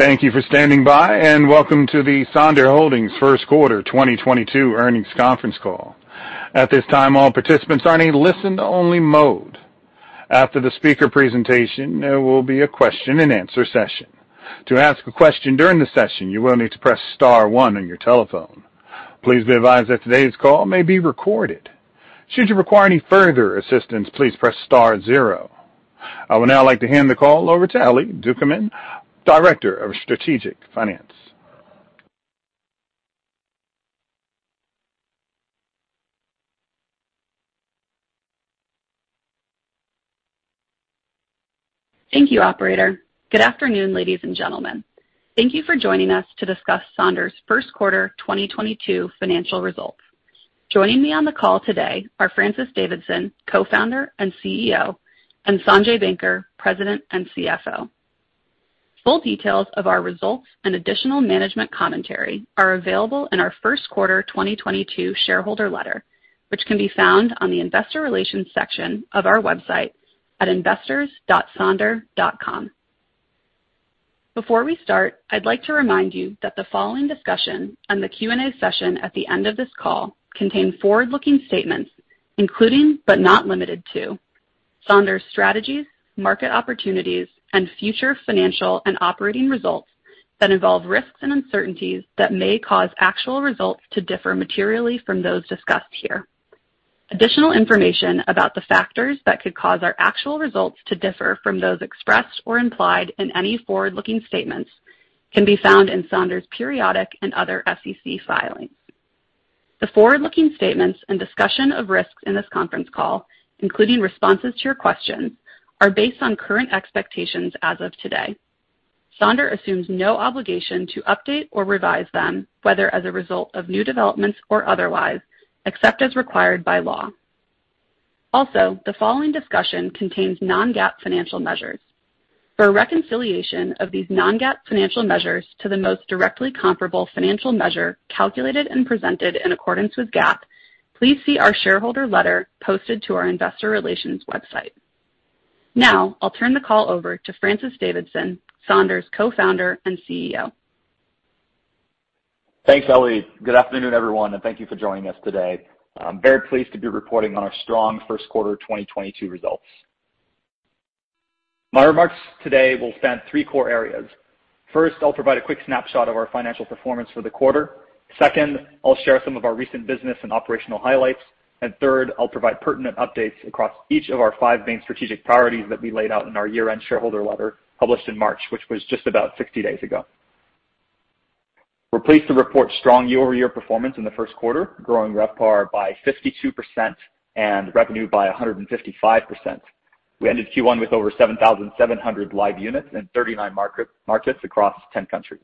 Thank you for standing by, and welcome to the Sonder Holdings first quarter 2022 earnings conference call. At this time, all participants are in a listen only mode. After the speaker presentation, there will be a question and answer session. To ask a question during the session, you will need to press star one on your telephone. Please be advised that today's call may be recorded. Should you require any further assistance, please press star zero. I would now like to hand the call over to Ellie Ducommun, Director of Strategic Finance. Thank you, operator. Good afternoon, ladies and gentlemen. Thank you for joining us to discuss Sonder's first quarter 2022 financial results. Joining me on the call today are Francis Davidson, Co-Founder and CEO, and Sanjay Banker, President and CFO. Full details of our results and additional management commentary are available in our first quarter 2022 shareholder letter, which can be found on the investor relations section of our website at investors.sonder.com. Before we start, I'd like to remind you that the following discussion and the Q&A session at the end of this call contain forward-looking statements, including, but not limited to Sonder's strategies, market opportunities, and future financial and operating results that involve risks and uncertainties that may cause actual results to differ materially from those discussed here. Additional information about the factors that could cause our actual results to differ from those expressed or implied in any forward-looking statements can be found in Sonder's periodic and other SEC filings. The forward-looking statements and discussion of risks in this conference call, including responses to your questions, are based on current expectations as of today. Sonder assumes no obligation to update or revise them, whether as a result of new developments or otherwise, except as required by law. Also, the following discussion contains non-GAAP financial measures. For a reconciliation of these non-GAAP financial measures to the most directly comparable financial measure calculated and presented in accordance with GAAP, please see our shareholder letter posted to our investor relations website. Now, I'll turn the call over to Francis Davidson, Sonder's Co-Founder and CEO. Thanks, Ellie. Good afternoon, everyone, and thank you for joining us today. I'm very pleased to be reporting on our strong first quarter 2022 results. My remarks today will span three core areas. First, I'll provide a quick snapshot of our financial performance for the quarter. Second, I'll share some of our recent business and operational highlights. Third, I'll provide pertinent updates across each of our five main strategic priorities that we laid out in our year-end shareholder letter published in March, which was just about 60 days ago. We're pleased to report strong year-over-year performance in the first quarter, growing RevPAR by 52% and revenue by 155%. We ended Q1 with over 7,700 live units in 39 markets across 10 countries.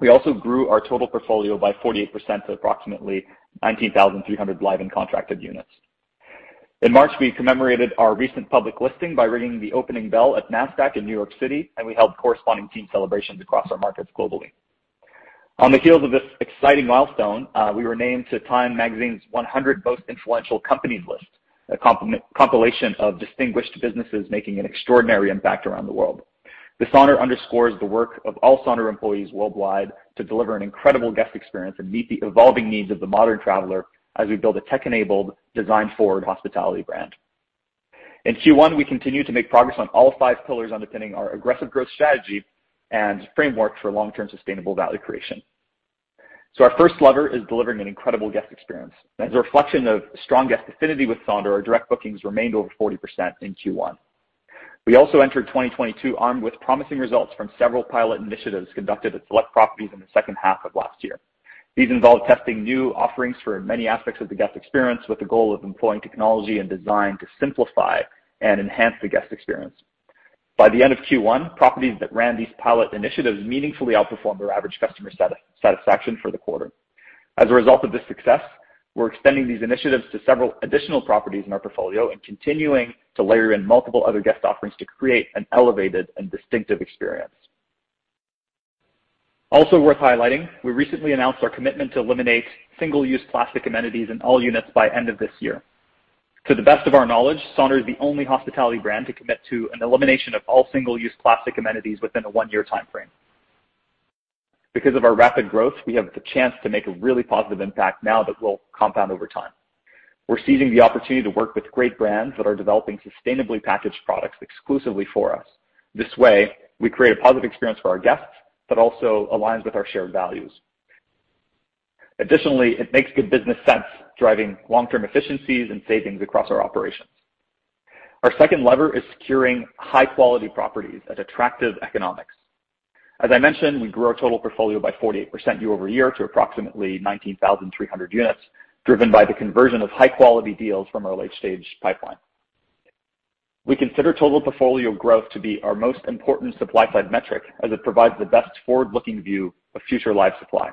We also grew our total portfolio by 48% to approximately 19,300 live and contracted units. In March, we commemorated our recent public listing by ringing the opening bell at Nasdaq in New York City, and we held corresponding team celebrations across our markets globally. On the heels of this exciting milestone, we were named to TIME magazine's 100 Most Influential Companies list, a compilation of distinguished businesses making an extraordinary impact around the world. This honor underscores the work of all Sonder employees worldwide to deliver an incredible guest experience and meet the evolving needs of the modern traveler as we build a tech-enabled design forward hospitality brand. In Q1, we continued to make progress on all 5 pillars underpinning our aggressive growth strategy and framework for long-term sustainable value creation. Our first lever is delivering an incredible guest experience. As a reflection of strong guest affinity with Sonder, our direct bookings remained over 40% in Q1. We also entered 2022 armed with promising results from several pilot initiatives conducted at select properties in the second half of last year. These involved testing new offerings for many aspects of the guest experience with the goal of employing technology and design to simplify and enhance the guest experience. By the end of Q1, properties that ran these pilot initiatives meaningfully outperformed their average customer satisfaction for the quarter. As a result of this success, we're extending these initiatives to several additional properties in our portfolio and continuing to layer in multiple other guest offerings to create an elevated and distinctive experience. Also worth highlighting, we recently announced our commitment to eliminate single-use plastic amenities in all units by end of this year. To the best of our knowledge, Sonder is the only hospitality brand to commit to an elimination of all single-use plastic amenities within a 1-year timeframe. Because of our rapid growth, we have the chance to make a really positive impact now that will compound over time. We're seizing the opportunity to work with great brands that are developing sustainably packaged products exclusively for us. This way, we create a positive experience for our guests, but also aligns with our shared values. Additionally, it makes good business sense, driving long-term efficiencies and savings across our operations. Our second lever is securing high-quality properties at attractive economics. As I mentioned, we grew our total portfolio by 48% year-over-year to approximately 19,300 units, driven by the conversion of high-quality deals from our late-stage pipeline. We consider total portfolio growth to be our most important supply side metric as it provides the best forward-looking view of future life supply.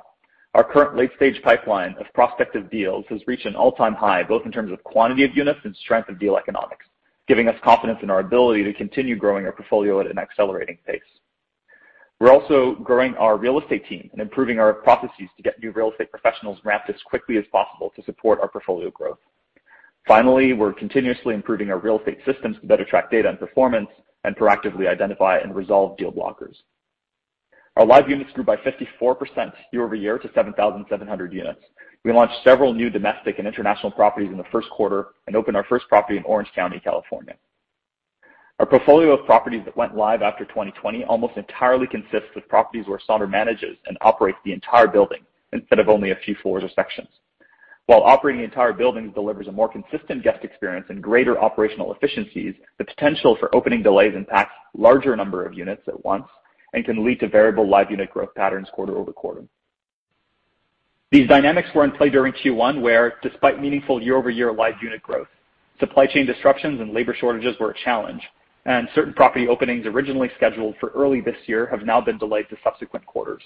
Our current late stage pipeline of prospective deals has reached an all-time high, both in terms of quantity of units and strength of deal economics, giving us confidence in our ability to continue growing our portfolio at an accelerating pace. We're also growing our real estate team and improving our processes to get new real estate professionals ramped as quickly as possible to support our portfolio growth. Finally, we're continuously improving our real estate systems to better track data and performance and proactively identify and resolve deal blockers. Our live units grew by 54% year-over-year to 7,700 units. We launched several new domestic and international properties in the first quarter and opened our first property in Orange County, California. Our portfolio of properties that went live after 2020 almost entirely consists of properties where Sonder manages and operates the entire building instead of only a few floors or sections. While operating the entire building delivers a more consistent guest experience and greater operational efficiencies, the potential for opening delays impacts larger number of units at once and can lead to variable live unit growth patterns quarter-over-quarter. These dynamics were in play during Q1, where despite meaningful year-over-year live unit growth, supply chain disruptions and labor shortages were a challenge, and certain property openings originally scheduled for early this year have now been delayed to subsequent quarters.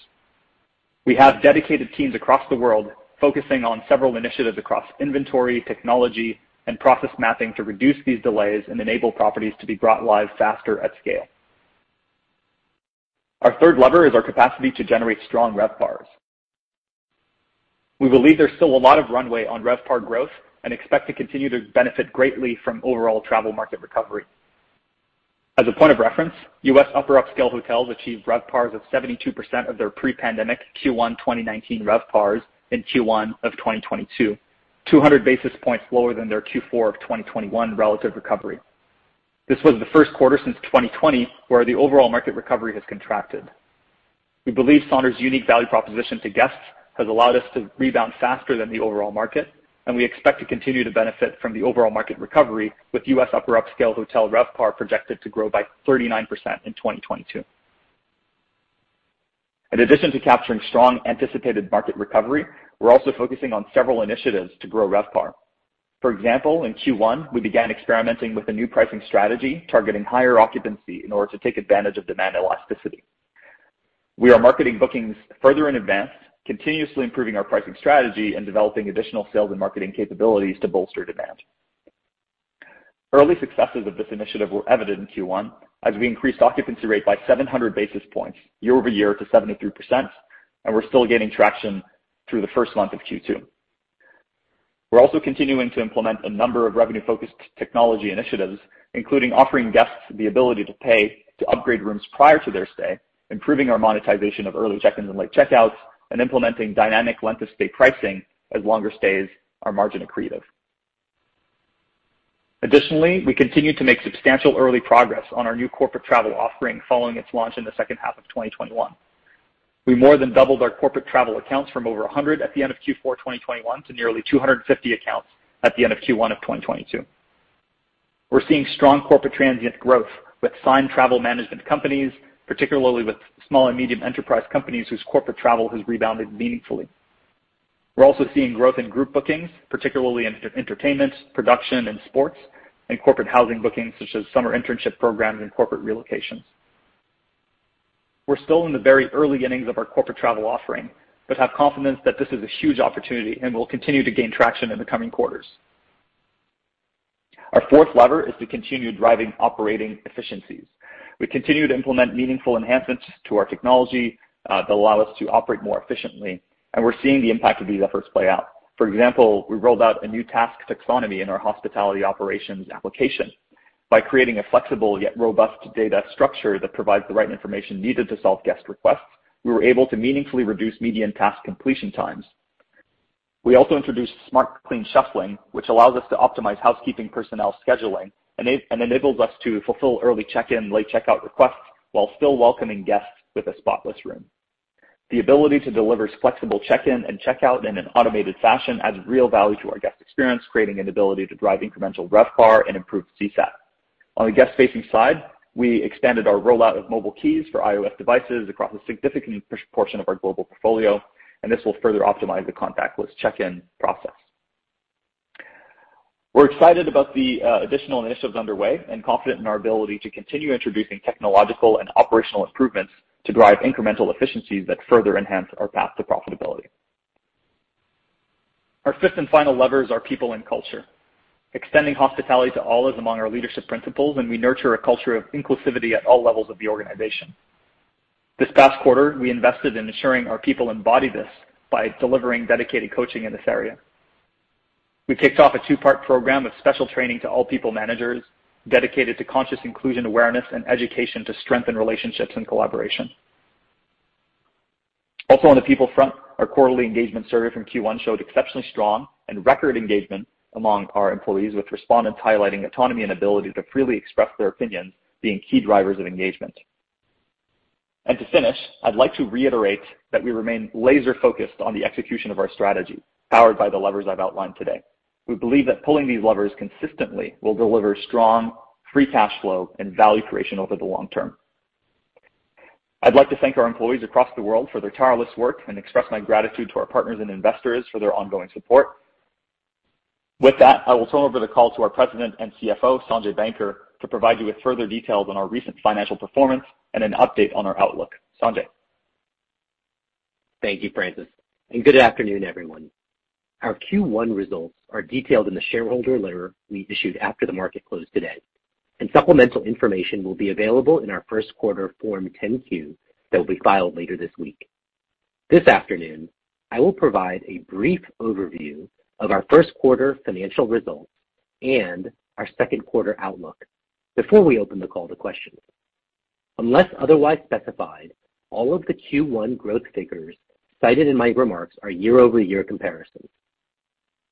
We have dedicated teams across the world focusing on several initiatives across inventory, technology, and process mapping to reduce these delays and enable properties to be brought live faster at scale. Our third lever is our capacity to generate strong RevPARs. We believe there's still a lot of runway on RevPAR growth and expect to continue to benefit greatly from overall travel market recovery. As a point of reference, US upper upscale hotels achieved RevPARs of 72% of their pre-pandemic Q1 2019 RevPARs in Q1 2022, 200 basis points lower than their Q4 2021 relative recovery. This was the first quarter since 2020 where the overall market recovery has contracted. We believe Sonder's unique value proposition to guests has allowed us to rebound faster than the overall market, and we expect to continue to benefit from the overall market recovery with US upper upscale hotel RevPAR projected to grow by 39% in 2022. In addition to capturing strong anticipated market recovery, we're also focusing on several initiatives to grow RevPAR. For example, in Q1, we began experimenting with a new pricing strategy targeting higher occupancy in order to take advantage of demand elasticity. We are marketing bookings further in advance, continuously improving our pricing strategy, and developing additional sales and marketing capabilities to bolster demand. Early successes of this initiative were evident in Q1 as we increased occupancy rate by 700 basis points year over year to 73%, and we're still gaining traction through the first month of Q2. We're also continuing to implement a number of revenue-focused technology initiatives, including offering guests the ability to pay to upgrade rooms prior to their stay, improving our monetization of early check-ins and late check-outs, and implementing dynamic length of stay pricing as longer stays are margin accretive. Additionally, we continue to make substantial early progress on our new corporate travel offering following its launch in the second half of 2021. We more than doubled our corporate travel accounts from over 100 at the end of Q4 2021 to nearly 250 accounts at the end of Q1 of 2022. We're seeing strong corporate transient growth with signed travel management companies, particularly with small and medium enterprise companies whose corporate travel has rebounded meaningfully. We're also seeing growth in group bookings, particularly in entertainment, production, and sports, and corporate housing bookings such as summer internship programs and corporate relocations. We're still in the very early innings of our corporate travel offering, but have confidence that this is a huge opportunity and will continue to gain traction in the coming quarters. Our fourth lever is to continue driving operating efficiencies. We continue to implement meaningful enhancements to our technology that allow us to operate more efficiently, and we're seeing the impact of these efforts play out. For example, we rolled out a new task taxonomy in our hospitality operations application. By creating a flexible yet robust data structure that provides the right information needed to solve guest requests, we were able to meaningfully reduce median task completion times. We also introduced smart clean shuffling, which allows us to optimize housekeeping personnel scheduling and enables us to fulfill early check-in, late check-out requests while still welcoming guests with a spotless room. The ability to deliver flexible check-in and check-out in an automated fashion adds real value to our guest experience, creating an ability to drive incremental RevPAR and improve CSAT. On the guest-facing side, we expanded our rollout of mobile keys for iOS devices across a significant portion of our global portfolio, and this will further optimize the contactless check-in process. We're excited about the additional initiatives underway and confident in our ability to continue introducing technological and operational improvements to drive incremental efficiencies that further enhance our path to profitability. Our fifth and final lever is our people and culture. Extending hospitality to all is among our leadership principles, and we nurture a culture of inclusivity at all levels of the organization. This past quarter, we invested in ensuring our people embody this by delivering dedicated coaching in this area. We kicked off a two-part program of special training to all people managers dedicated to conscious inclusion, awareness, and education to strengthen relationships and collaboration. Also on the people front, our quarterly engagement survey from Q1 showed exceptionally strong and record engagement among our employees, with respondents highlighting autonomy and ability to freely express their opinions being key drivers of engagement. To finish, I'd like to reiterate that we remain laser-focused on the execution of our strategy, powered by the levers I've outlined today. We believe that pulling these levers consistently will deliver strong free cash flow and value creation over the long term. I'd like to thank our employees across the world for their tireless work and express my gratitude to our partners and investors for their ongoing support. With that, I will turn over the call to our president and CFO, Sanjay Banker, to provide you with further details on our recent financial performance and an update on our outlook. Sanjay? Thank you, Francis, and good afternoon, everyone. Our Q1 results are detailed in the shareholder letter we issued after the market closed today, and supplemental information will be available in our first quarter Form 10-Q that will be filed later this week. This afternoon, I will provide a brief overview of our first quarter financial results and our second quarter outlook before we open the call to questions. Unless otherwise specified, all of the Q1 growth figures cited in my remarks are year-over-year comparisons.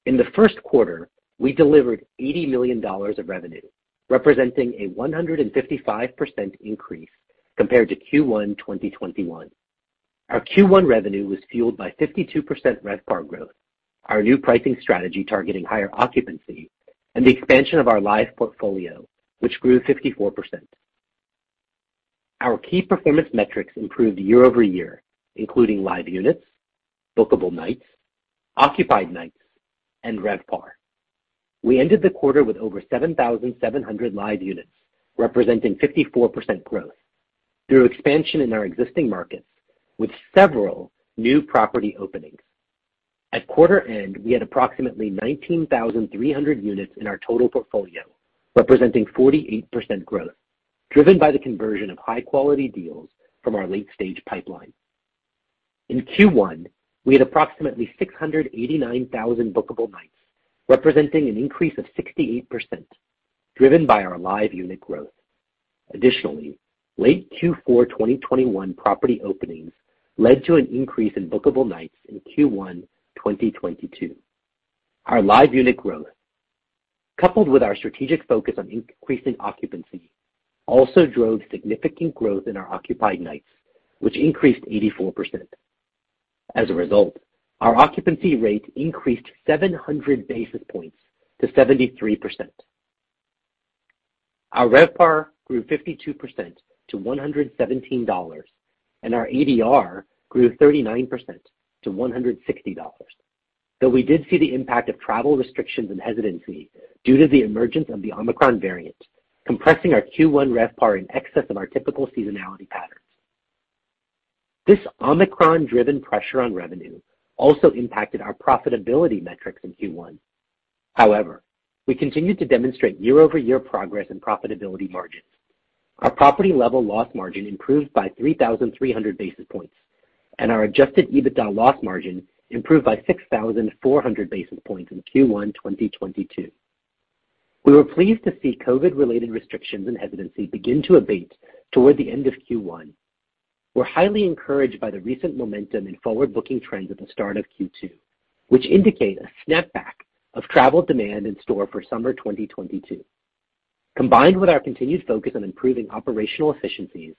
In the first quarter, we delivered $80 million of revenue, representing a 155% increase compared to Q1 2021. Our Q1 revenue was fueled by 52% RevPAR growth, our new pricing strategy targeting higher occupancy, and the expansion of our live portfolio, which grew 54%. Our key performance metrics improved year-over-year, including live units, bookable nights, occupied nights, and RevPAR. We ended the quarter with over 7,700 live units, representing 54% growth through expansion in our existing markets with several new property openings. At quarter end, we had approximately 19,300 units in our total portfolio, representing 48% growth, driven by the conversion of high-quality deals from our late stage pipeline. In Q1, we had approximately 689,000 bookable nights, representing an increase of 68%, driven by our live unit growth. Additionally, late Q4 2021 property openings led to an increase in bookable nights in Q1 2022. Our live unit growth, coupled with our strategic focus on increasing occupancy, also drove significant growth in our occupied nights, which increased 84%. As a result, our occupancy rates increased 700 basis points to 73%. Our RevPAR grew 52% to $117, and our ADR grew 39% to $160. Though we did see the impact of travel restrictions and hesitancy due to the emergence of the Omicron variant, compressing our Q1 RevPAR in excess of our typical seasonality patterns. This Omicron-driven pressure on revenue also impacted our profitability metrics in Q1. However, we continued to demonstrate year-over-year progress in profitability margins. Our property-level loss margin improved by 3,300 basis points, and our adjusted EBITDA loss margin improved by 6,400 basis points in Q1 2022. We were pleased to see COVID-related restrictions and hesitancy begin to abate toward the end of Q1. We're highly encouraged by the recent momentum in forward-booking trends at the start of Q2, which indicate a snapback of travel demand in store for summer 2022. Combined with our continued focus on improving operational efficiencies,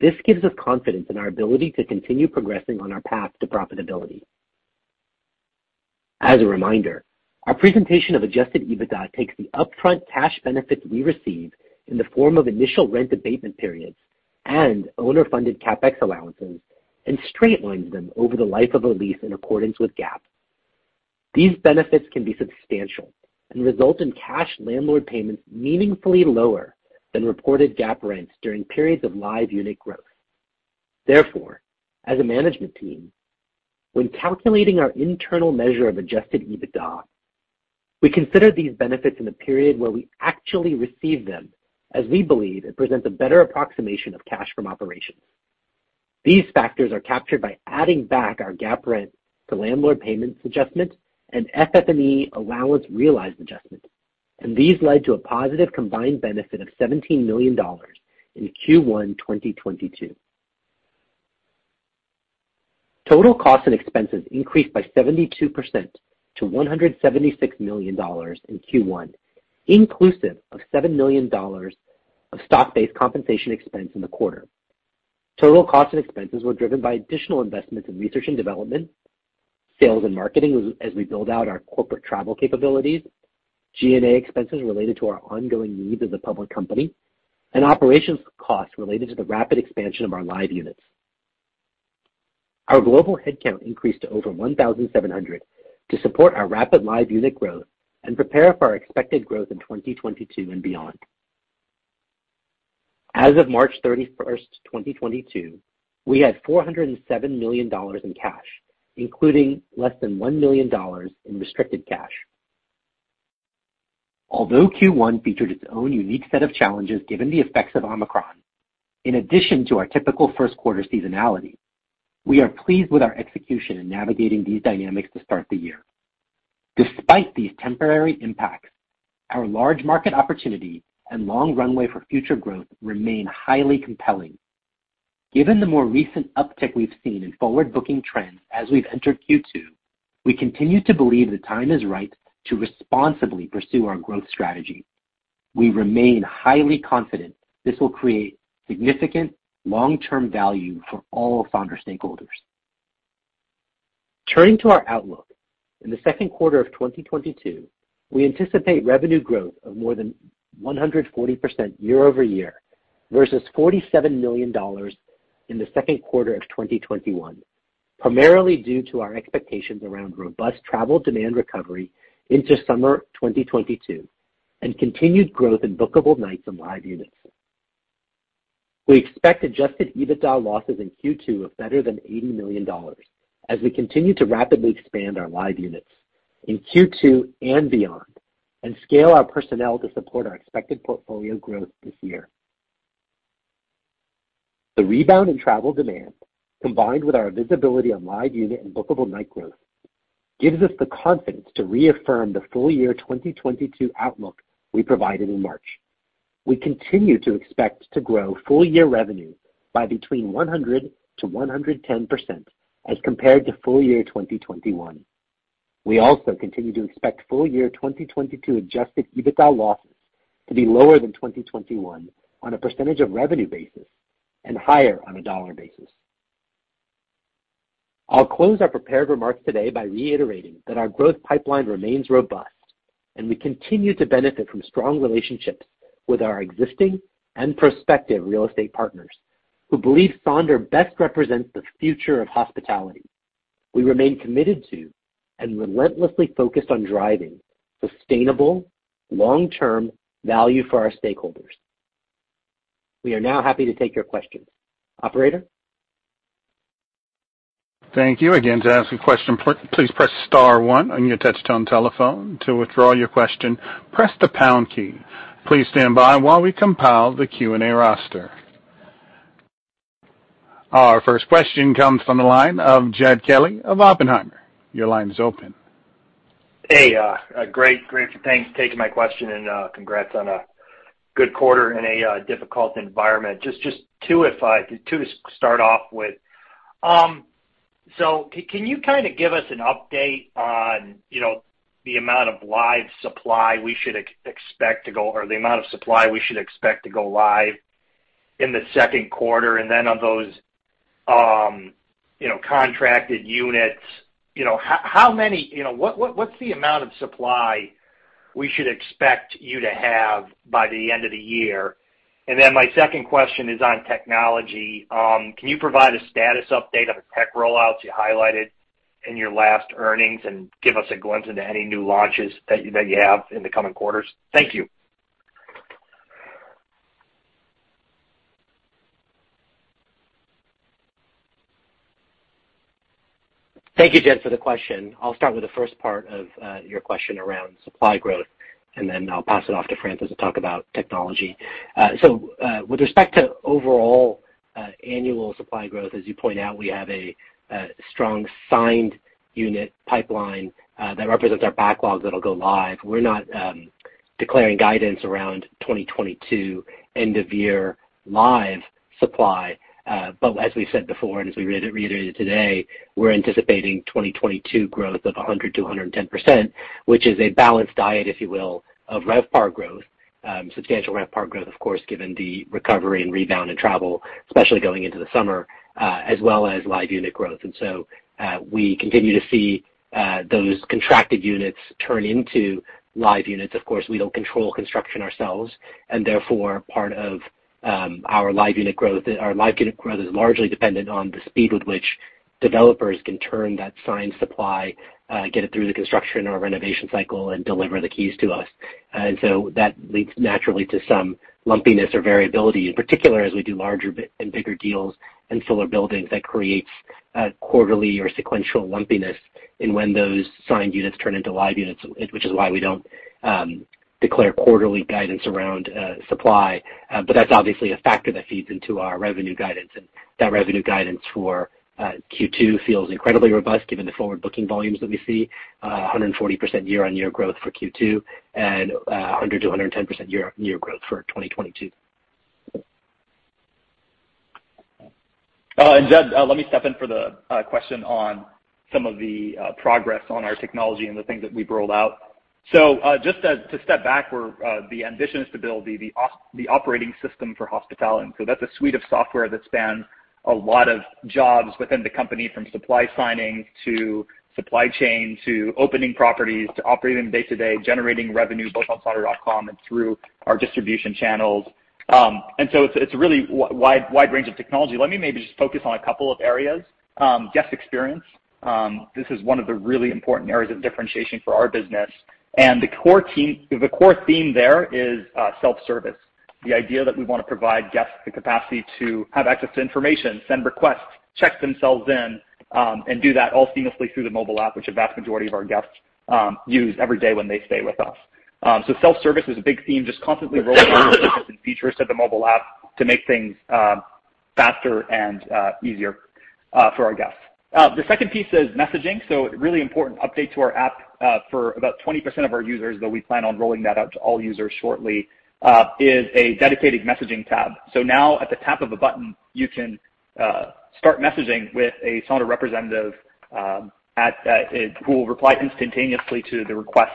this gives us confidence in our ability to continue progressing on our path to profitability. As a reminder, our presentation of adjusted EBITDA takes the upfront cash benefits we receive in the form of initial rent abatement periods and owner-funded CapEx allowances and straight lines them over the life of a lease in accordance with GAAP. These benefits can be substantial and result in cash landlord payments meaningfully lower than reported GAAP rents during periods of live unit growth. Therefore, as a management team, when calculating our internal measure of adjusted EBITDA, we consider these benefits in the period where we actually receive them, as we believe it presents a better approximation of cash from operations. These factors are captured by adding back our GAAP rent to landlord payments adjustment and FF&E allowance realized adjustment, and these led to a positive combined benefit of $17 million in Q1 2022. Total costs and expenses increased by 72% to $176 million in Q1, inclusive of $7 million of stock-based compensation expense in the quarter. Total costs and expenses were driven by additional investments in research and development, sales and marketing as we build out our corporate travel capabilities, G&A expenses related to our ongoing needs as a public company, and operations costs related to the rapid expansion of our live units. Our global headcount increased to over 1,700 to support our rapid live unit growth and prepare for our expected growth in 2022 and beyond. As of March 31, 2022, we had $407 million in cash, including less than $1 million in restricted cash. Although Q1 featured its own unique set of challenges given the effects of Omicron, in addition to our typical first quarter seasonality, we are pleased with our execution in navigating these dynamics to start the year. Despite these temporary impacts, our large market opportunity and long runway for future growth remain highly compelling. Given the more recent uptick we've seen in forward-booking trends as we've entered Q2, we continue to believe the time is right to responsibly pursue our growth strategy. We remain highly confident this will create significant long-term value for all founder stakeholders. Turning to our outlook, in the second quarter of 2022, we anticipate revenue growth of more than 140% year-over-year versus $47 million in the second quarter of 2021, primarily due to our expectations around robust travel demand recovery into summer 2022 and continued growth in bookable nights and live units. We expect adjusted EBITDA losses in Q2 of better than $80 million as we continue to rapidly expand our live units in Q2 and beyond and scale our personnel to support our expected portfolio growth this year. The rebound in travel demand, combined with our visibility on live unit and bookable night growth, gives us the confidence to reaffirm the full year 2022 outlook we provided in March. We continue to expect to grow full year revenue by between 100%-110% as compared to full year 2021. We also continue to expect full year 2022 adjusted EBITDA losses to be lower than 2021 on a percentage of revenue basis and higher on a dollar basis. I'll close our prepared remarks today by reiterating that our growth pipeline remains robust and we continue to benefit from strong relationships with our existing and prospective real estate partners who believe Sonder best represents the future of hospitality. We remain committed to and relentlessly focused on driving sustainable long-term value for our stakeholders. We are now happy to take your questions. Operator. Thank you. Again, to ask a question, please press star one on your touchtone telephone. To withdraw your question, press the pound key. Please stand by while we compile the Q&A roster. Our first question comes from the line of Jed Kelly of Oppenheimer. Your line is open. Hey, great. Thanks for taking my question and, congrats on a good quarter in a difficult environment. Just two to start off with. Can you kind of give us an update on, the amount of live supply we should expect to go, or the amount of supply we should expect to go live in the second quarter? And then of those, you know, contracted units, you know, how many, what’s the amount of supply we should expect you to have by the end of the year? And then my second question is on technology. Can you provide a status update on the tech rollouts you highlighted in your last earnings and give us a glimpse into any new launches that you, that you have in the coming quarters? Thank you. Thank you, Jed, for the question. I'll start with the first part of your question around supply growth, and then I'll pass it off to Francis to talk about technology. With respect to overall annual supply growth, as you point out, we have a strong signed unit pipeline that represents our backlog that'll go live. We're not declaring guidance around 2022 end of year live supply. But as we said before, and as we reiterated today, we're anticipating 2022 growth of 100%-110%, which is a balanced diet, if you will, of RevPAR growth, substantial RevPAR growth, of course, given the recovery and rebound in travel, especially going into the summer, as well as live unit growth. We continue to see those contracted units turn into live units. Of course, we don't control construction ourselves and therefore, part of our live unit growth is largely dependent on the speed with which developers can turn that signed supply, get it through the construction or renovation cycle and deliver the keys to us. That leads naturally to some lumpiness or variability, in particular as we do larger and bigger deals and fuller buildings. That creates a quarterly or sequential lumpiness in when those signed units turn into live units, which is why we don't declare quarterly guidance around supply. That's obviously a factor that feeds into our revenue guidance. That revenue guidance for Q2 feels incredibly robust given the forward booking volumes that we see 140% year-over-year growth for Q2 and 100%-110% year-over-year growth for 2022. Jed, let me step in for the question on some of the progress on our technology and the things that we've rolled out. Just to step back, our ambition is to build the operating system for hospitality. That's a suite of software that spans a lot of jobs within the company from supply signing to supply chain to opening properties to operating day to day, generating revenue both on sonder.com and through our distribution channels. It's a really wide range of technology. Let me maybe just focus on a couple of areas. Guest experience. This is one of the really important areas of differentiation for our business. The core theme there is self-service. The idea that we want to provide guests the capacity to have access to information, send requests, check themselves in, and do that all seamlessly through the mobile app, which a vast majority of our guests use every day when they stay with us. Self-service is a big theme, just constantly rolling features to the mobile app to make things faster and easier for our guests. The second piece is messaging. Really important update to our app for about 20% of our users, though we plan on rolling that out to all users shortly, is a dedicated messaging tab. Now at the tap of a button, you can start messaging with a Sonder representative who will reply instantaneously to the request,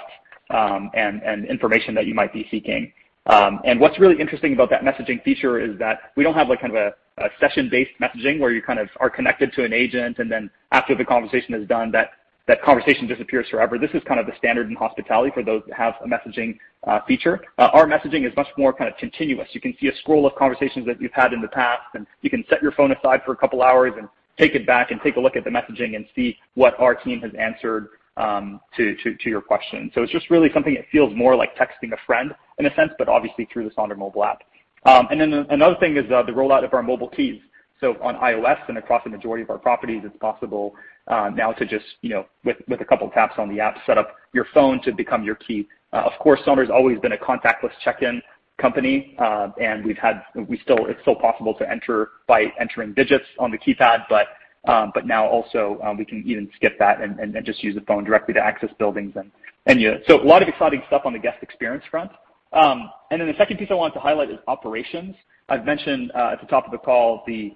and information that you might be seeking. What's really interesting about that messaging feature is that we don't have, like, kind of a session-based messaging where you kind of are connected to an agent and then after the conversation is done, that conversation disappears forever. This is kind of the standard in hospitality for those that have a messaging feature. Our messaging is much more kind of continuous. You can see a scroll of conversations that you've had in the past, and you can set your phone aside for a couple of hours and take it back and take a look at the messaging and see what our team has answered to your question. It's just really something that feels more like texting a friend in a sense, but obviously through the Sonder mobile app. Another thing is the rollout of our mobile keys. On iOS and across the majority of our properties, it's possible now to just, you know, with a couple taps on the app, set up your phone to become your key. Of course, Sonder's always been a contactless check-in company, and it's still possible to enter by entering digits on the keypad. Now also, we can even skip that and then just use the phone directly to access buildings and yeah. A lot of exciting stuff on the guest experience front. The second piece I wanted to highlight is operations. I've mentioned at the top of the call the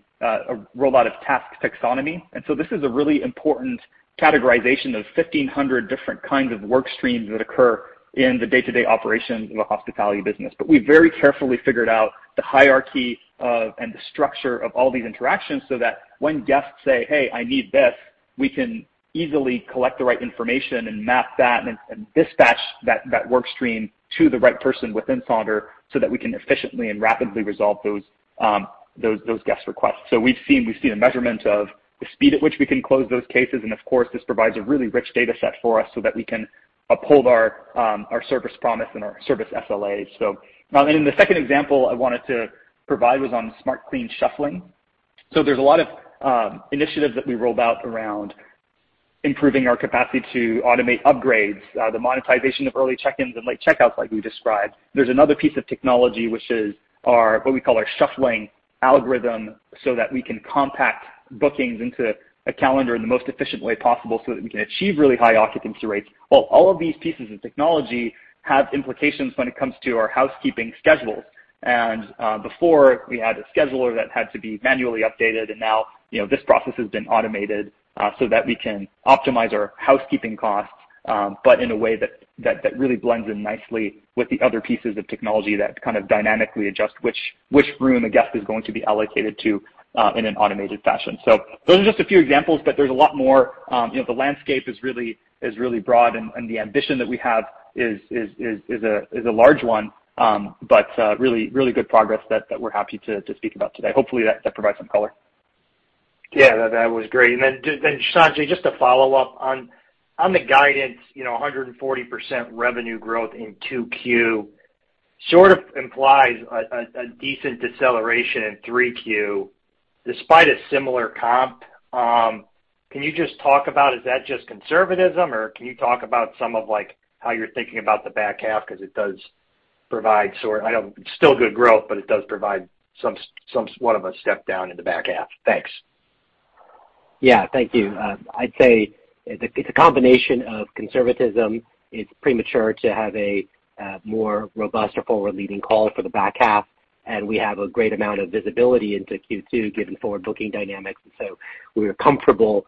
rollout of task taxonomy. This is a really important categorization of 1,500 different kinds of work streams that occur in the day-to-day operations of a hospitality business. We very carefully figured out the hierarchy of, and the structure of all these interactions so that when guests say, "Hey, I need this," we can easily collect the right information and map that and dispatch that work stream to the right person within Sonder so that we can efficiently and rapidly resolve those guest requests. We've seen a measurement of the speed at which we can close those cases, and of course, this provides a really rich data set for us so that we can uphold our service promise and our service SLAs. The second example I wanted to provide was on smart clean shuffling. There's a lot of initiatives that we rolled out around improving our capacity to automate upgrades, the monetization of early check-ins and late check-outs like we described. There's another piece of technology which is our, what we call our shuffling algorithm, so that we can compact bookings into a calendar in the most efficient way possible so that we can achieve really high occupancy rates. Well, all of these pieces of technology have implications when it comes to our housekeeping schedules. Before we had a scheduler that had to be manually updated, and now, you know, this process has been automated, so that we can optimize our housekeeping costs, but in a way that really blends in nicely with the other pieces of technology that kind of dynamically adjust which room a guest is going to be allocated to, in an automated fashion. Those are just a few examples, but there's a lot more. The landscape is really broad and the ambition that we have is a large one. Really good progress that we're happy to speak about today. Hopefully, that provides some color. Yeah, that was great. Sanjay, just to follow up. On the guidance,140% revenue growth in 2Q sort of implies a decent deceleration in 3Q despite a similar comp. Can you just talk about, is that just conservatism, or can you talk about some of like how you're thinking about the back half? Because it does provide. I know it's still good growth, but it does provide somewhat of a step down in the back half. Thanks. Yeah. Thank you. I'd say it's a combination of conservatism. It's premature to have a more robust or forward-looking call for the back half, and we have a great amount of visibility into Q2 given forward booking dynamics. We're comfortable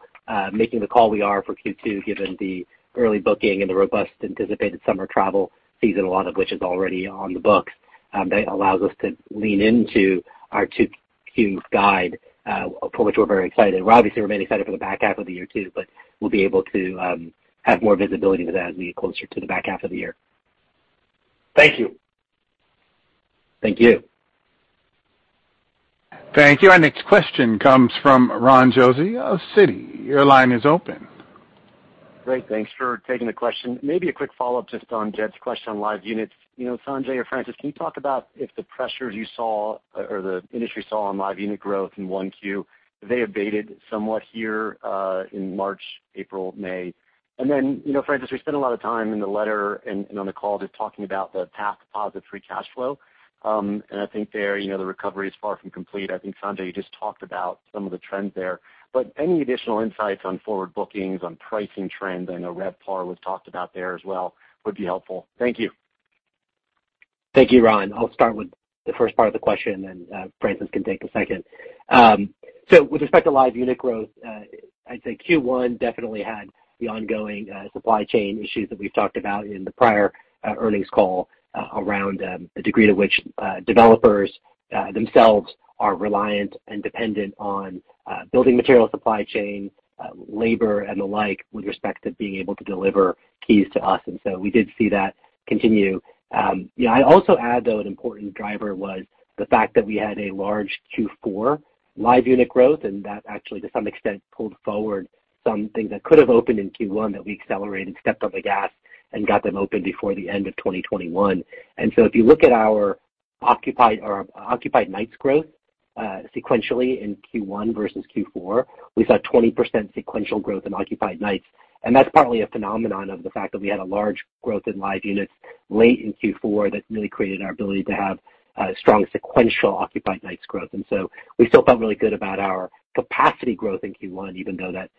making the call we are for Q2 given the early booking and the robust anticipated summer travel season, a lot of which is already on the books. That allows us to lean into our 2Q guide for which we're very excited. We obviously remain excited for the back half of the year too, but we'll be able to have more visibility to that as we get closer to the back half of the year. Thank you. Thank you. Thank you. Our next question comes from Ron Josey of Citi. Your line is open. Great. Thanks for taking the question. Maybe a quick follow-up just on Jed's question on live units. Sanjay or Francis, can you talk about if the pressures you saw or the industry saw on live unit growth in 1Q, have they abated somewhat here in March, April, May? Then, you know, Francis, we spent a lot of time in the letter and on the call just talking about the path to positive free cash flow. I think there, you know, the recovery is far from complete. I think, Sanjay, you just talked about some of the trends there. Any additional insights on forward bookings, on pricing trends, I know RevPAR was talked about there as well, would be helpful. Thank you. Thank you, Ron. I'll start with the first part of the question, and then, Francis can take the second. With respect to live unit growth, I'd say Q1 definitely had the ongoing supply chain issues that we've talked about in the prior earnings call around the degree to which developers themselves are reliant and dependent on building material supply chain, labor and the like with respect to being able to deliver keys to us. We did see that continue. Yeah, I'd also add, though, an important driver was the fact that we had a large Q4 live unit growth, and that actually to some extent pulled forward some things that could have opened in Q1 that we accelerated, stepped on the gas and got them open before the end of 2021. If you look at our occupied nights growth, sequentially in Q1 versus Q4, we saw 20% sequential growth in occupied nights. That's partly a phenomenon of the fact that we had a large growth in live units late in Q4 that really created our ability to have strong sequential occupied nights growth. We still felt really good about our capacity growth in Q1, even though that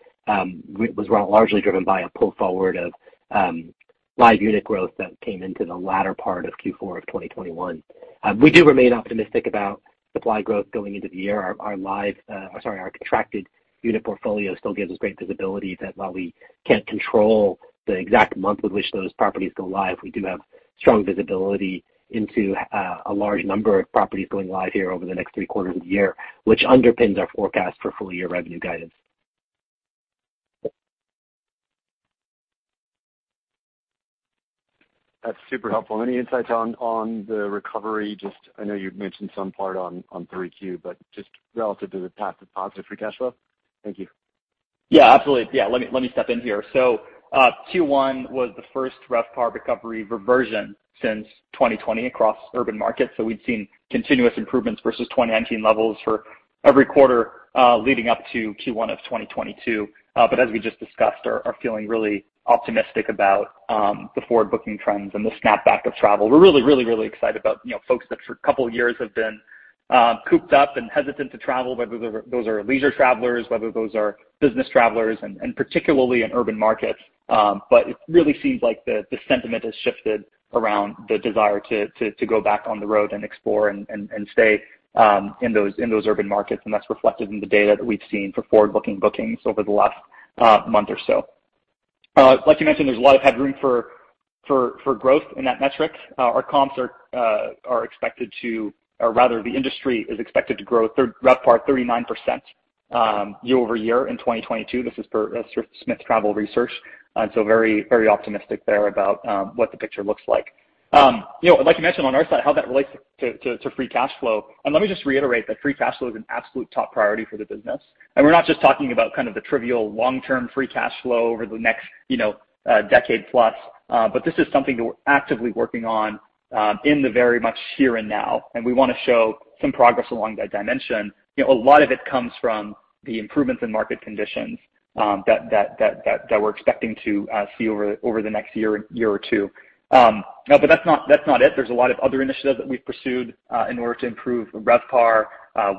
was largely driven by a pull forward of live unit growth that came into the latter part of Q4 of 2021. We do remain optimistic about supply growth going into the year. Our contracted unit portfolio still gives us great visibility that while we can't control the exact month with which those properties go live, we do have strong visibility into a large number of properties going live here over the next three quarters of the year, which underpins our forecast for full-year revenue guidance. That's super helpful. Any insights on the recovery? Just, I know you've mentioned some part on 3Q, but just relative to the path to positive free cash flow. Thank you. Yeah, absolutely. Yeah, let me step in here. Q1 was the first RevPAR recovery reversion since 2020 across urban markets. We'd seen continuous improvements versus 2019 levels for every quarter leading up to Q1 of 2022. As we just discussed, we're feeling really optimistic about the forward booking trends and the snapback of travel. We're really excited about, you know, folks that for a couple of years have been cooped up and hesitant to travel, whether those are leisure travelers, whether those are business travelers and particularly in urban markets. It really seems like the sentiment has shifted around the desire to go back on the road and explore and stay in those urban markets. That's reflected in the data that we've seen for forward-looking bookings over the last month or so. Like you mentioned, there's a lot of headroom for growth in that metric. Our comps are expected to—or rather, the industry is expected to grow RevPAR 39% year over year in 2022. This is per Smith Travel Research, so very optimistic there about what the picture looks like. Like you mentioned on our side, how that relates to free cash flow. Let me just reiterate that free cash flow is an absolute top priority for the business. We're not just talking about kind of non-trivial long-term free cash flow over the next decade plus. This is something that we're actively working on, in the very much here and now, and we wanna show some progress along that dimension. A lot of it comes from the improvements in market conditions, that we're expecting to see over the next year or two. That's not it. There's a lot of other initiatives that we've pursued in order to improve RevPAR,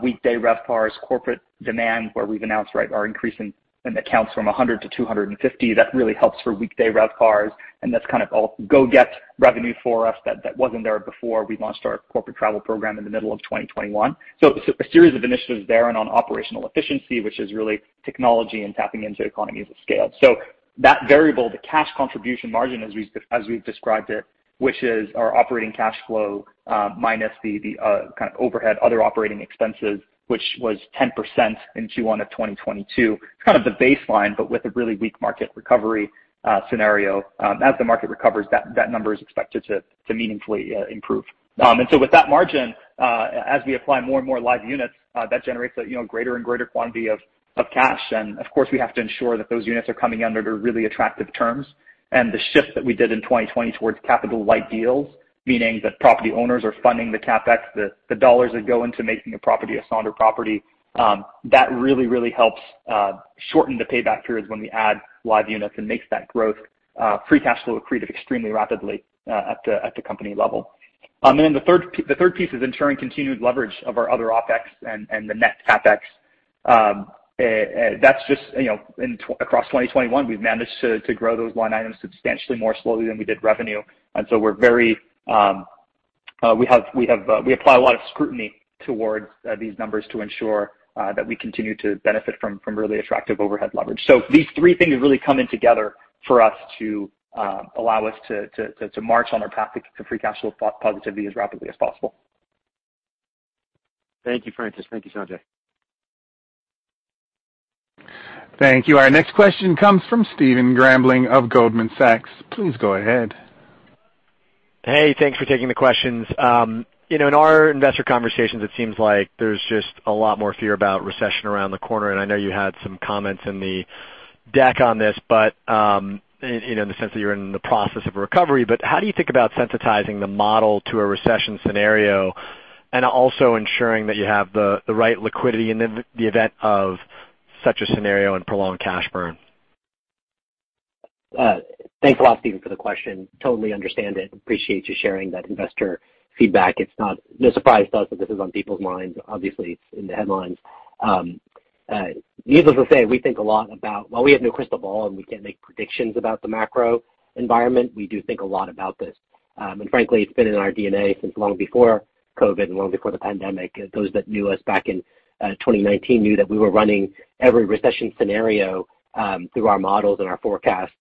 weekday RevPARs, corporate demand, where we've announced, right, our increase in accounts from 100 to 250. That really helps for weekday RevPARs, and that's kind of all go get revenue for us that wasn't there before we launched our corporate travel program in the middle of 2021. A series of initiatives there and on operational efficiency, which is really technology and tapping into economies of scale. That variable, the cash contribution margin as we've described it, which is our operating cash flow minus the kind of overhead other operating expenses, which was 10% in Q1 of 2022. It's kind of the baseline, but with a really weak market recovery scenario. As the market recovers, that number is expected to meaningfully improve. With that margin, as we apply more and more live units, that generates a greater and greater quantity of cash. Of course, we have to ensure that those units are coming under the really attractive terms. The shift that we did in 2020 towards capital light deals, meaning that property owners are funding the CapEx, the dollars that go into making a property a Sonder property, that really, really helps shorten the payback periods when we add live units and makes that growth free cash flow accretive extremely rapidly at the company level. The third piece is ensuring continued leverage of our other OpEx and the net CapEx. That's just across 2021, we've managed to grow those line items substantially more slowly than we did revenue. We're very. We apply a lot of scrutiny towards these numbers to ensure that we continue to benefit from really attractive overhead leverage. These three things have really come in together for us to allow us to march on our path to free cash flow positivity as rapidly as possible. Thank you, Francis. Thank you, Sanjay. Thank you. Our next question comes from Stephen Grambling of Goldman Sachs. Please go ahead. Hey, thanks for taking the questions. IN our investor conversations, it seems like there's just a lot more fear about recession around the corner, and I know you had some comments in the deck on this, but in the sense that you're in the process of recovery, but how do you think about sensitizing the model to a recession scenario and also ensuring that you have the right liquidity in the event of such a scenario and prolonged cash burn? Thanks a lot, Stephen, for the question. Totally understand it. Appreciate you sharing that investor feedback. It's not no surprise to us that this is on people's minds. Obviously, it's in the headlines. Needless to say, while we have no crystal ball, and we can't make predictions about the macro environment, we do think a lot about this. Frankly, it's been in our DNA since long before COVID and long before the pandemic. Those that knew us back in 2019 knew that we were running every recession scenario through our models and our forecasts.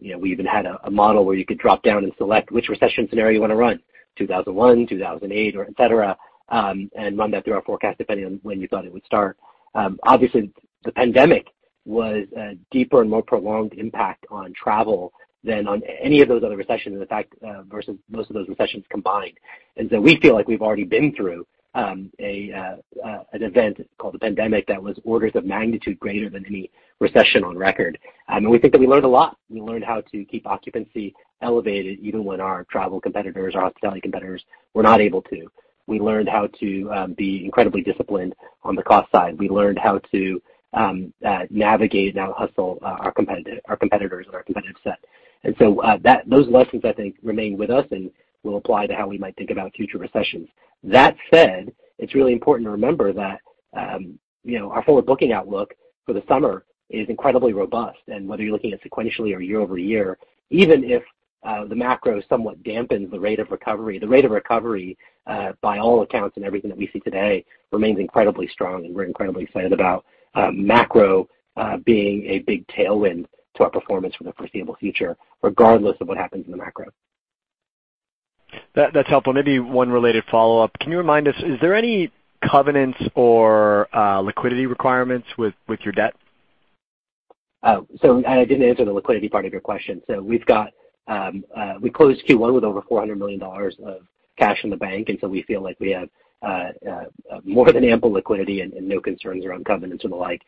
We even had a model where you could drop down and select which recession scenario you wanna run, 2001, 2008 or etc., and run that through our forecast depending on when you thought it would start. Obviously, the pandemic was a deeper and more prolonged impact on travel than on any of those other recessions, in fact, versus most of those recessions combined. We feel like we've already been through an event called the pandemic that was orders of magnitude greater than any recession on record. We think that we learned a lot. We learned how to keep occupancy elevated, even when our travel competitors, our hospitality competitors were not able to. We learned how to be incredibly disciplined on the cost side. We learned how to navigate and out-hustle our competitors and our competitive set. Those lessons, I think, remain with us and will apply to how we might think about future recessions. That said, it's really important to remember that, you know, our forward booking outlook for the summer is incredibly robust. Whether you're looking at sequentially or year-over-year, even if the macro somewhat dampens the rate of recovery, the rate of recovery by all accounts and everything that we see today remains incredibly strong, and we're incredibly excited about macro being a big tailwind to our performance for the foreseeable future, regardless of what happens in the macro. That, that's helpful. Maybe one related follow-up. Can you remind us, is there any covenants or liquidity requirements with your debt? I didn't answer the liquidity part of your question. We've closed Q1 with over $400 million of cash in the bank, and we feel like we have more than ample liquidity and no concerns around covenants and the like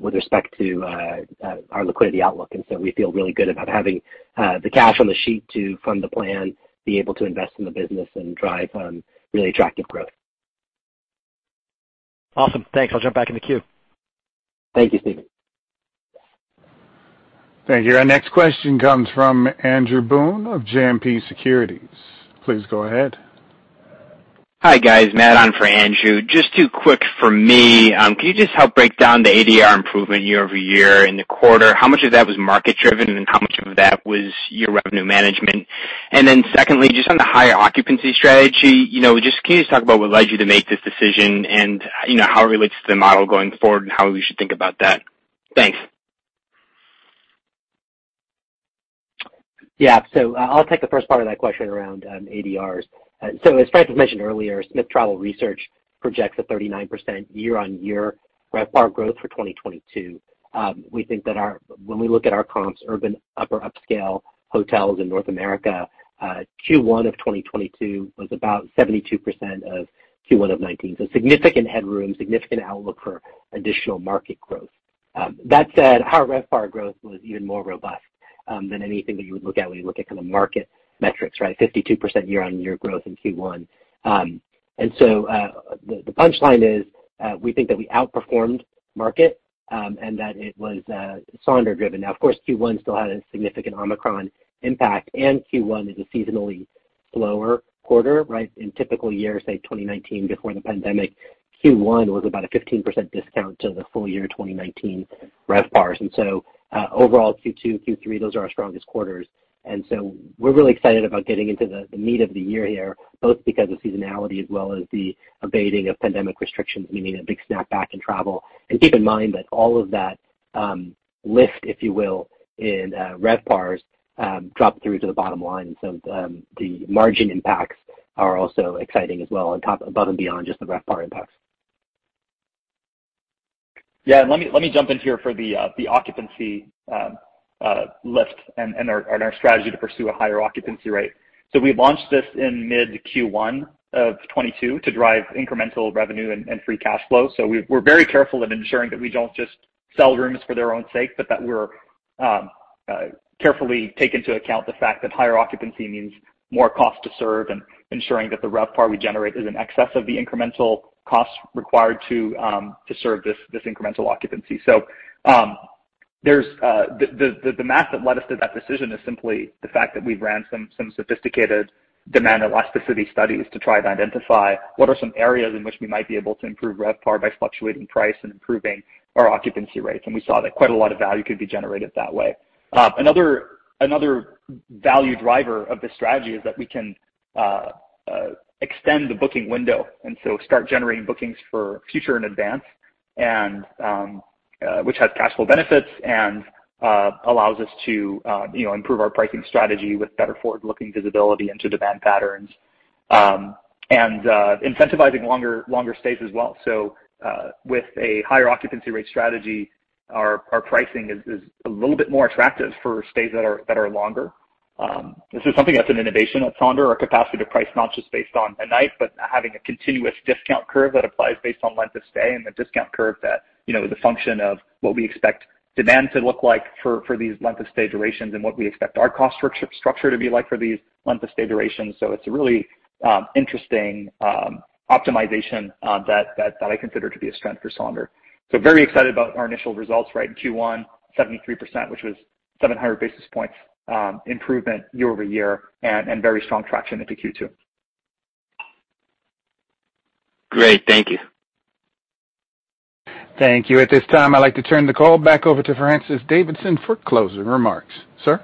with respect to our liquidity outlook. We feel really good about having the cash on the sheet to fund the plan, be able to invest in the business and drive really attractive growth. Awesome. Thanks. I'll jump back in the queue. Thank you, Stephen. Thank you. Our next question comes from Andrew Boone of JMP Securities. Please go ahead. Hi, guys. Matt on for Andrew. Just two quick for me. Can you just help break down the ADR improvement year-over-year in the quarter? How much of that was market driven, and how much of that was your revenue management? Secondly, just on the higher occupancy strategy, you know, just can you just talk about what led you to make this decision and how it relates to the model going forward and how we should think about that? Thanks. Yeah. I'll take the first part of that question around ADRs. As Francis mentioned earlier, Smith Travel Research projects a 39% year-on-year RevPAR growth for 2022. We think that when we look at our comps, urban upper upscale hotels in North America, Q1 of 2022 was about 72% of Q1 of 2019. Significant headroom, significant outlook for additional market growth. That said, our RevPAR growth was even more robust than anything that you would look at when you look at kind of market metrics, right? 52% year-on-year growth in Q1. The punch line is, we think that we outperformed market, and that it was Sonder driven. Now, of course, Q1 still had a significant Omicron impact, and Q1 is a seasonally slower quarter, right? In typical years, say 2019 before the pandemic, Q1 was about a 15% discount to the full year 2019 RevPARs. Overall, Q2, Q3, those are our strongest quarters. We're really excited about getting into the meat of the year here, both because of seasonality as well as the abating of pandemic restrictions, meaning a big snapback in travel. Keep in mind that all of that lift, if you will, in RevPARs drop through to the bottom line. The margin impacts are also exciting as well on top, above and beyond just the RevPAR impacts. Yeah. Let me jump in here for the occupancy lift and our strategy to pursue a higher occupancy rate. We launched this in mid Q1 of 2022 to drive incremental revenue and free cash flow. We're very careful in ensuring that we don't just sell rooms for their own sake, but that we're carefully take into account the fact that higher occupancy means more cost to serve and ensuring that the RevPAR we generate is in excess of the incremental costs required to serve this incremental occupancy. The math that led us to that decision is simply the fact that we've ran some sophisticated demand elasticity studies to try to identify what are some areas in which we might be able to improve RevPAR by fluctuating price and improving our occupancy rates. We saw that quite a lot of value could be generated that way. Another value driver of this strategy is that we can extend the booking window, and so start generating bookings for future in advance and which has cash flow benefits and allows us to you know improve our pricing strategy with better forward-looking visibility into demand patterns and incentivizing longer stays as well. With a higher occupancy rate strategy, our pricing is a little bit more attractive for stays that are longer. This is something that's an innovation at Sonder, our capacity to price not just based on a night, but having a continuous discount curve that applies based on length of stay and the discount curve that, is a function of what we expect demand to look like for these length of stay durations and what we expect our cost structure to be like for these length of stay durations. It's a really interesting optimization that I consider to be a strength for Sonder. Very excited about our initial results, right? In Q1, 73%, which was 700 basis points improvement year-over-year and very strong traction into Q2. Great. Thank you. Thank you. At this time, I'd like to turn the call back over to Francis Davidson for closing remarks. Sir?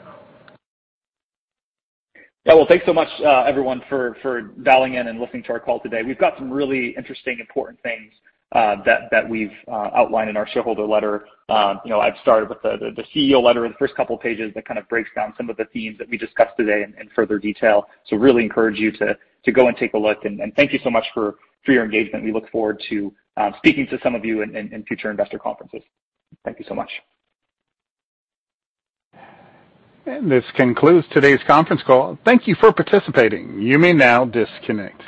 Yeah. Well, thanks so much, everyone for dialing in and listening to our call today. We've got some really interesting, important things, that we've outlined in our shareholder letter. I've started with the CEO letter in the first couple of pages that kind of breaks down some of the themes that we discussed today in further detail. Really encourage you to go and take a look. Thank you so much for your engagement. We look forward to speaking to some of you in future investor conferences. Thank you so much. This concludes today's conference call. Thank you for participating. You may now disconnect.